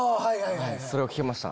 それを聞きました。